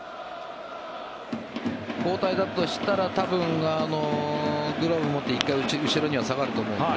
交代だとしたらグラブを持って１回後ろには下がると思うので。